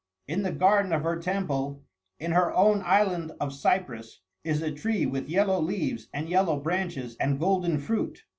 In the garden of her temple, in her own island of Cyprus, is a tree with yellow leaves and yellow branches and golden fruit.